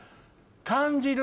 感じる。